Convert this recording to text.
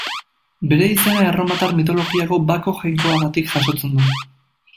Bere izena erromatar mitologiako Bako jainkoagatik jasotzen du.